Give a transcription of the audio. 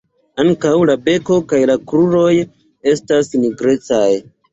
Ankaŭ la beko kaj la kruroj estas nigrecaj.